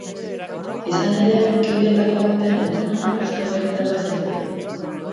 Izan ere, kideetako baten aitona euskal herritarra zen.